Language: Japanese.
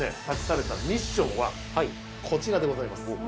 たくされたミッションはこちらでございます。